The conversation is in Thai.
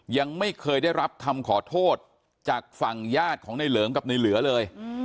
ยังไม่เคยได้รับคำขอโทษจากฝั่งญาติของในเหลิงกับในเหลือเลย